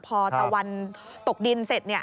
พอตะวันตกดินเสร็จ